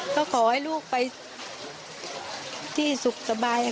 ก็ขอให้ลูกไปที่สุขสบาย